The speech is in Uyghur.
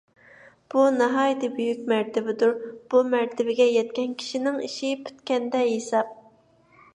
بۇ ناھايىتى بۈيۈك مەرتىۋىدۇر. بۇ مەرتىۋىگە يەتكەن كىشىنىڭ ئىشى پۈتكەندە ھېساب.